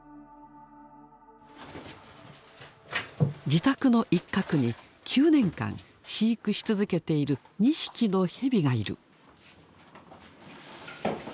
自宅の一角に９年間飼育し続けている２匹のヘビがいる。